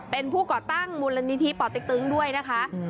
เป็นผู้ก่อตั้งมูลนิธิป่อเต็กตึงด้วยนะคะ